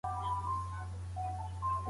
په کومو الفاظو سره د نکاح قيد پورته کيږي؟